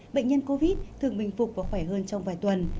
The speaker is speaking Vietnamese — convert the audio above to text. bệnh nhân covid thường bình phục và khỏe hơn trong vài tuần